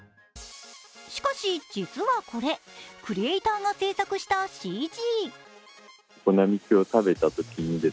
しかし、実はこれ、クリエイターが制作したＣＧ。